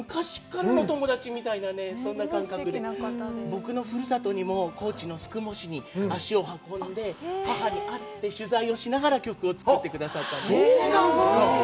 僕のふるさとにも高知の宿毛市に足を運んで、母に会って、取材をしながら曲を作ってくださったんです。